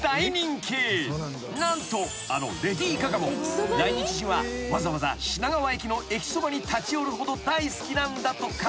［何とあのレディー・ガガも来日時はわざわざ品川駅の駅そばに立ち寄るほど大好きなんだとか］